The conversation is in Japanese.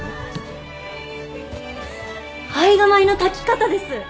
胚芽米の炊き方です。